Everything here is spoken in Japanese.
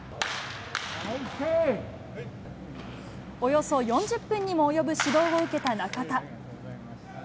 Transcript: およそ４０分にも及ぶ指導を受けた中田。